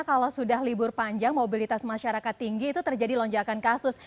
kalau sudah libur panjang mobilitas masyarakat tinggi itu terjadi lonjakan kasus